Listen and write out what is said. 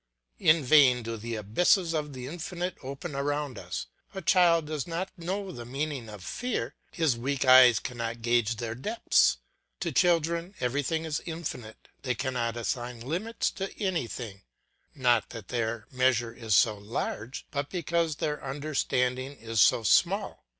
In vain do the abysses of the Infinite open around us, a child does not know the meaning of fear; his weak eyes cannot gauge their depths. To children everything is infinite, they cannot assign limits to anything; not that their measure is so large, but because their understanding is so small.